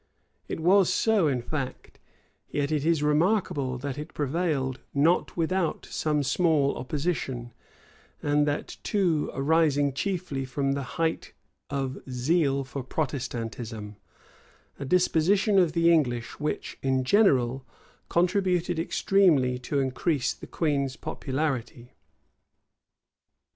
It was so in fact; yet is it remarkable, that it prevailed not without some small opposition; and that too arising chiefly from the height of zeal for Protestantism; a disposition of the English which, in general, contributed extremely to increase the queen's popularity.